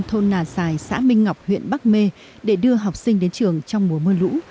thôn nà xài xã minh ngọc huyện bắc mê để đưa học sinh đến trường trong mùa mưa lũ